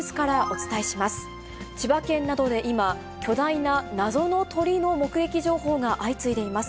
千葉県などで今、巨大な謎の鳥の目撃情報が相次いでいます。